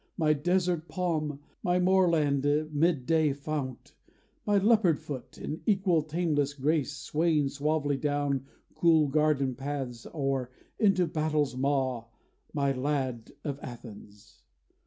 My desert palm, my moorland mid day fount, My leopard foot, in equal tameless grace Swaying suavely down cool garden paths Or into battle's maw: my lad of Athens!